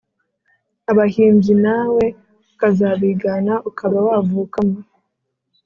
abahimbyi, nawe ukazabigana, ukaba wavukamo